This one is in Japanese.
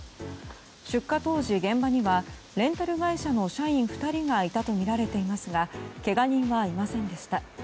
出火当時、現場にはレンタル会社の社員２人がいたとみられていますがけが人はいませんでした。